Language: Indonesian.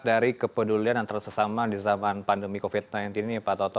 dari kepedulian yang tersesama di zaman pandemi covid sembilan belas ini pak toto